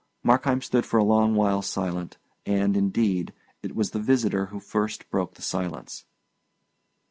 Markheim stood for a long while silent, and, indeed, it was the visitor who first broke the silence.